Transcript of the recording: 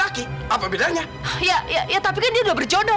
maksudnya apa sih ibu